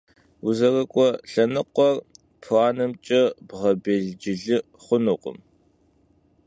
Vuzerık'ue lhenıkhuer planımç'e bğebêlcılı xhunuş.